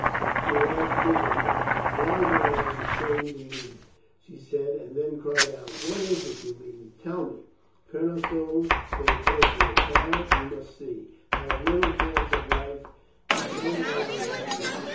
She laughed miserably. "Why, then I am shamed indeed," she said and then cried out. "What is it you mean ? Tell me !" Colonel Stow came close to her. "Child, you must see. I have little chance of life and no honor left me.